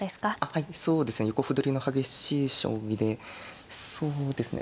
はいそうですね横歩取りの激しい将棋でそうですね